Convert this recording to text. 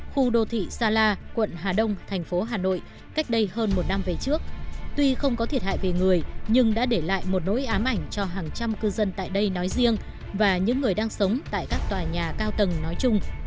khu đô thị sa la quận hà đông thành phố hà nội cách đây hơn một năm về trước tuy không có thiệt hại về người nhưng đã để lại một nỗi ám ảnh cho hàng trăm cư dân tại đây nói riêng và những người đang sống tại các tòa nhà cao tầng nói chung